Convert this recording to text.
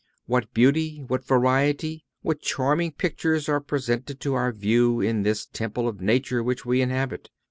What beauty, what variety, what charming pictures are presented to our view in this temple of nature which we inhabit!